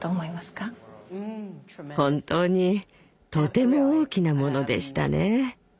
本当にとても大きなものでしたね。